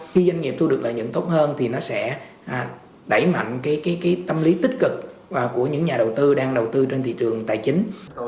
khi doanh nghiệp thu được lợi nhuận tốt hơn thì nó sẽ đẩy mạnh cái tâm lý tích cực của những nhà đầu tư đang đầu tư trên thị trường tài chính